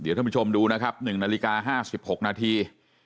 ท่านผู้ชมดูนะครับ๑นาฬิกา๕๖นาที